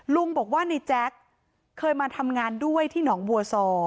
ลุงบอกว่าในแจ๊คเคยมาทำงานด้วยที่หนองบัวซอ